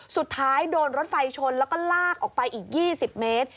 สุดท้ายโดนรถไฟชนแล้วก็ลากออกไปอีก๒๐เมตร